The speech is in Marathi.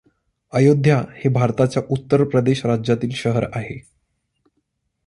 अयोध्या हे भारताच्या उत्तर प्रदेश राज्यातील शहर आहे.